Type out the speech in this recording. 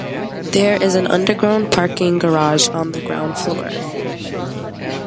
There is an underground parking garage on the ground floor.